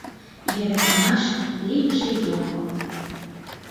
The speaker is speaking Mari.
Йӧратымашын лӱмжӧ йоҥго.